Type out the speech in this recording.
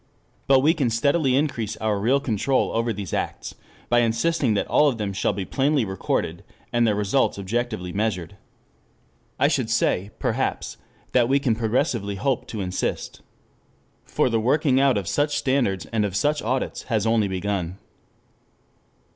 But we can steadily increase our real control over these acts by insisting that all of them shall be plainly recorded, and their results objectively measured. I should say, perhaps, that we can progressively hope to insist. For the working out of such standards and of such audits has only begun.